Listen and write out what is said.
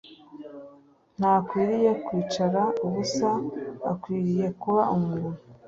Ntakwiriye kwicara ubusa akwiriye kuba umuntu